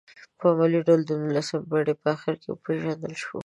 په علمي ډول د نولسمې پېړۍ په اخرو کې وپېژندل شوه.